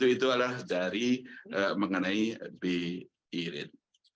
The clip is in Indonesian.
itu adalah dari mengenai birin